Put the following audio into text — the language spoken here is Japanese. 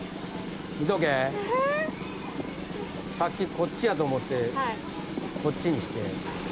さっきこっちやと思ってこっちにして。